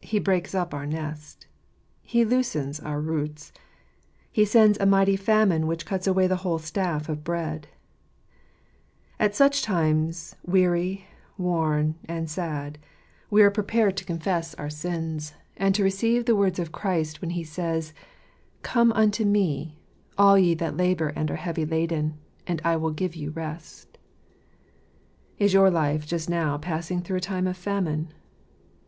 He breaks up our nest. He loosens our roots. He sends a mighty famine which cuts away the whole staff of bread. And at such times, weary, worn, and sad, we are prepared to confess our sins, 84 JcrsEpb's Jurat Uitterfittta hritlj 'ffits fO ret bran. and to receive the words of Christ, when He says, " Come unto Me, all ye that labour and are heavy laden, and I will give you rest." Is your life just now passing through a time of famine